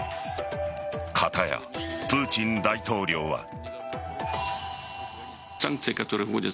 片や、プーチン大統領は。